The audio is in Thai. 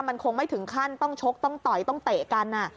มันคงไม่ถึงขั้นต้องชกต้องต่อยต้องเตะกัน